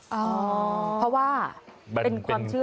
เพราะว่าเป็นความเชื่อ